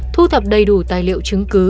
thu thập đầy đủ tài liệu chứng cứ